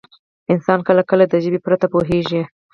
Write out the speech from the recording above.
انسان کله کله د ژبې پرته پوهېږي.